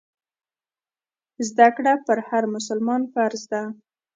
زده کړه پر هر مسلمان فرض دی.